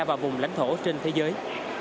và vùng lãnh thổ trên thế giới